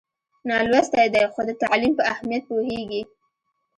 نالوستی دی خو د تعلیم په اهمیت پوهېږي.